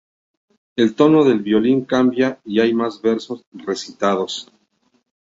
El tono del violin cambia y hay más versos recitados.